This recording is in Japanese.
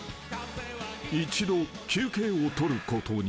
［一度休憩を取ることに。